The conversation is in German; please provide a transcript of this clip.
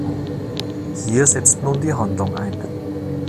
Hier setzt nun die Handlung ein.